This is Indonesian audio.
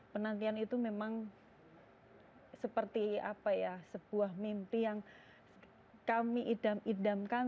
penantian itu memang seperti sebuah mimpi yang kami idam idamkan